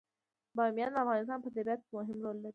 بامیان د افغانستان په طبیعت کې مهم رول لري.